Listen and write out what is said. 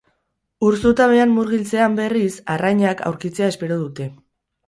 Ur zutabean murgiltzean, berriz, arrainak aurkitzea espero dute.